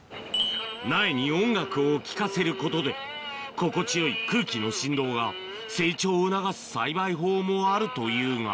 苗に音楽を聴かせることで心地良い空気の振動が成長を促す栽培法もあるというが